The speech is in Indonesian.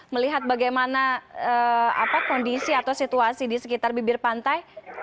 melihat bagaimana kondisi atau situasi di sekitar bibir pantai